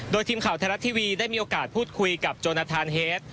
โดยทีมข่าวไทยรัฐทีวีได้มีโอกาสพูดคุยกับโจนทานเฮด